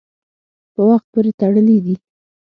په وخت پورې تړلي دي.